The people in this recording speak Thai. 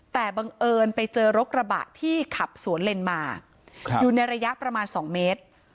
แต่บังเอิญไปเจอรถกระบะที่ขับสวนเลนมาอยู่ในระยะประมาณ๒เมตร